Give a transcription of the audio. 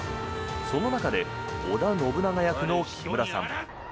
その中で織田信長役の木村さん。